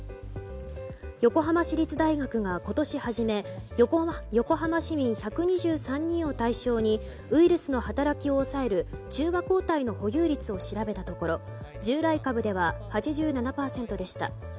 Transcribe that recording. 横浜市立大学が今年初め横浜市民１２３人を対象にウイルスの働きを抑える中和抗体の保有率を調べたところ従来株では８７％でした。